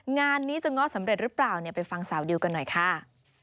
งานนี้จะง้อสำเร็จหรือเปล่าไปฟังสาวดิวกันหน่อยค่ะ